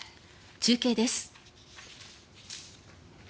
中継です。